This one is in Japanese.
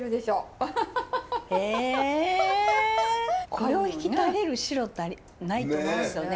これを引き立てる白ってないと思いますよね。